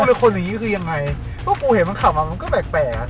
แล้วกูเห็นมันขับมามันคือแปลกแปลก